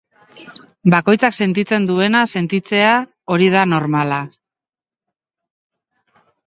Bakoitzak sentitzen duena sentitzea, hori da normala.